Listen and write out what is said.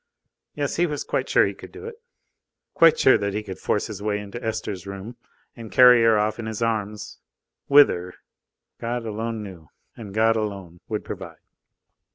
Yes! He was quite sure he could do it. Quite sure that he could force his way into Esther's rooms and carry her off in his arms whither? God alone knew. And God alone would provide.